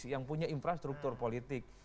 yang punya infrastruktur politik